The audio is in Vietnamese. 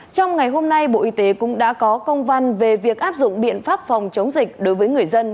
trong ngày hôm nay bộ y tế cũng đã có công văn về việc áp dụng biện pháp phòng chống dịch đối với người dân